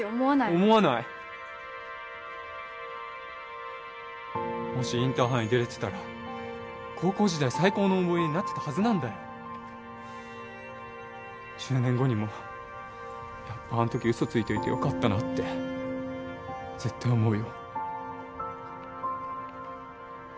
思わないもしインターハイに出れてたら高校時代最高の思い出になってたはずだ１０年後にもやっぱあんとき嘘ついといてよかったなって絶対思うよ